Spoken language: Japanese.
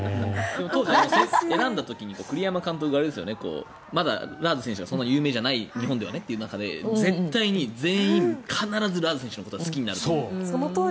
選んだ時に栗山監督がまだ、ラーズ選手がそんなに日本では有名じゃないという中で絶対に全員、必ずラーズ選手のことが好きになると。